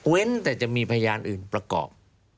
แต่จะมีพยานอื่นประกอบ